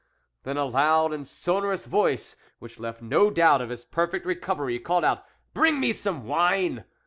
Then in a loud and sonorous voice, which left no doubt of his perfect recovery, he called out :" Bring me some wine."